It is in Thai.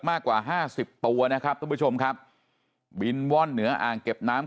มากกว่าห้าสิบตัวนะครับทุกผู้ชมครับบินว่อนเหนืออ่างเก็บน้ำ